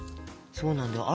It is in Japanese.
そうなんだよ。